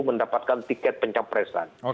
mendapatkan tiket pencapresan